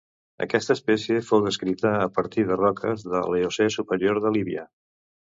Aquesta espècie fou descrita a partir de roques de l'Eocè superior de Líbia.